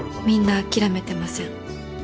みんな諦めてません。